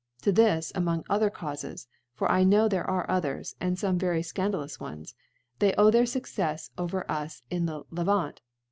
To thi^v among other Caufes, ^for I know there are others *and fome very fcandalous ones) they owe • their Succefi over us in the Levant.